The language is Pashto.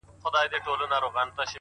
اغزى د گل د رويه اوبېږي.